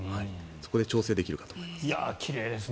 そこで調整ができるかと思います。